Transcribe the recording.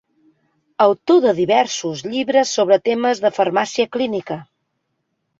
Autor de diversos llibres sobre temes de Farmàcia Clínica.